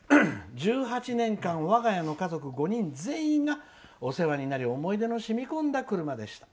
１８年間我が家の家族５人全員がお世話になり思い出の染み込んだ車でした。